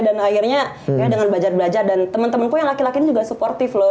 akhirnya ya dengan belajar belajar dan teman temanku yang laki laki ini juga supportif loh